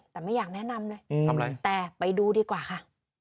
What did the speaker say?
แต่ไม่อยากแนะนำเลยทำอะไรแต่ไปดูดีกว่าค่ะ